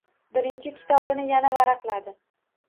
Birinchi kitobini yana varaqladi.